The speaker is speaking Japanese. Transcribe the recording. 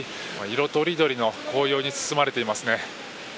色とりどりの紅葉に包まれていますね。